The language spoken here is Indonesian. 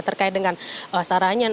terkait dengan sarana